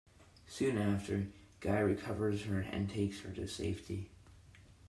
Soon after, Guy recovers her and takes her to safety.